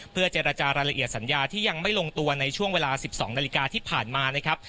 เพื่อเจรจารายละเอียดสัญญาที่ยังไม่ลงตัวในช่วงเวลา๑๒นาฬิกาที่ผ่านมานะครับ